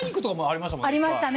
ありましたね。